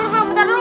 enggak bentar dulu